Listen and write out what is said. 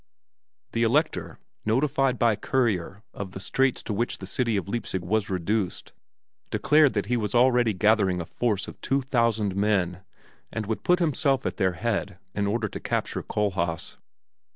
The Elector, notified by courier of the straits to which the city of Leipzig was reduced, declared that he was already gathering a force of two thousand men and would put himself at their head in order to capture Kohlhaas.